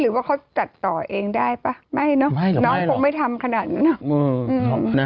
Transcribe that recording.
หรือว่าเขาตัดต่อเองได้ป่ะไม่เนอะน้องคงไม่ทำขนาดนั้นนะ